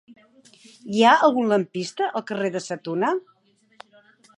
Hi ha algun lampista al carrer de Sa Tuna?